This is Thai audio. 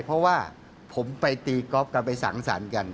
เพราะว่าผมไปตีก๊อฟกันไปสังสรรค์กัน